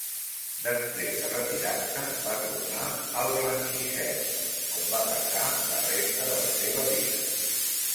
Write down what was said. Després de retirar-se va tornar al Blanchisseuse, on va passar la resta de la seva vida.